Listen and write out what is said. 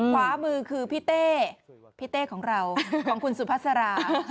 ขวามือคือพี่เต้พี่เต้ของเราของคุณสุภาษารา